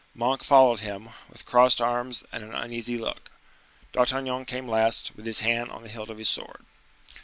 Monk followed him, with crossed arms and an uneasy look. D'Artagnan came last, with his hand on the hilt of his sword.